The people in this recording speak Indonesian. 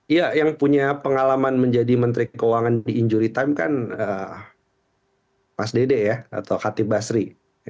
iya yang punya pengalaman menjadi menteri keuangan di injury time kan mas dede ya atau khatib basri